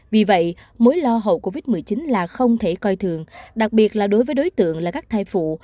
vì vậy mối lo hậu covid một mươi chín là không thể coi thường đặc biệt là đối với đối tượng là các thai phụ